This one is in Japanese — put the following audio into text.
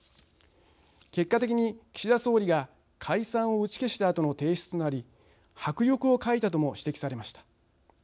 結果的に岸田総理が解散を打ち消したあとの提出となり迫力を欠いたとも指摘されました。